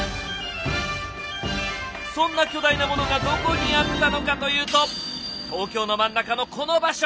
そんな巨大なものがどこにあったのかというと東京の真ん中のこの場所。